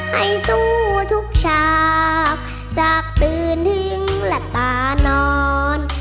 ให้สู้ทุกฉากจากตื่นทิ้งและตานอน